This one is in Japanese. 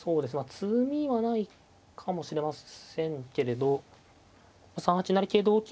詰みはないかもしれませんけれど３八成桂同金